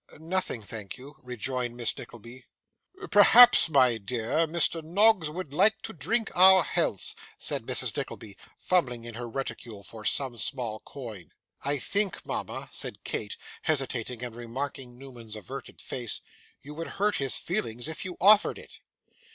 'Nothing, thank you,' rejoined Miss Nickleby. 'Perhaps, my dear, Mr. Noggs would like to drink our healths,' said Mrs Nickleby, fumbling in her reticule for some small coin. 'I think, mama,' said Kate hesitating, and remarking Newman's averted face, 'you would hurt his feelings if you offered it.